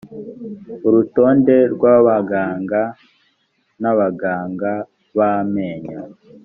urutonde rw abaganga n abaganga b amenyo